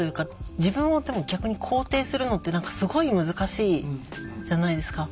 自分をでも逆に肯定するのってすごい難しいじゃないですか。